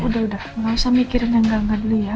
udah udah gak usah mikirin yang gaga dulu ya